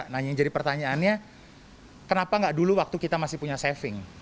nah yang jadi pertanyaannya kenapa nggak dulu waktu kita masih punya saving